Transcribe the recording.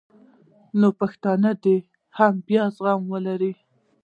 نو پښتانه دې هم بیا دا زغم ولري